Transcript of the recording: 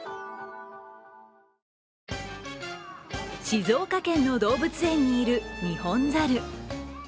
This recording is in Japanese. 静岡県の動物園にいるニホンザル。